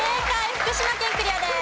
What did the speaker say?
福島県クリアです。